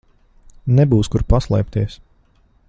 Nebūs kur paslēpties.